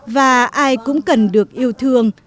và ai cũng cần được yêu thương